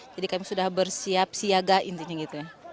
jadi kami sudah bersiap siaga intinya gitu ya